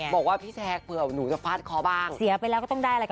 บอกว่าพี่แซคเผื่อหนูจะฟาดคอบ้างเสียไปแล้วก็ต้องได้อะไรค่ะ